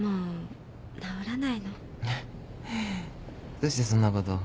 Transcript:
どうしてそんなことを？